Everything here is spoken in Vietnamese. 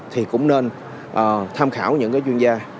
thì cũng nên tham khảo những cái chuyên gia